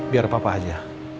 biar papa aja